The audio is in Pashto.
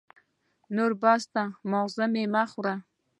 نور بس دی ، ماغزه مي مه خوره !